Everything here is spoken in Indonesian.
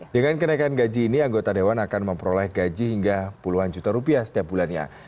dengan kenaikan gaji ini anggota dewan akan memperoleh gaji hingga puluhan juta rupiah setiap bulannya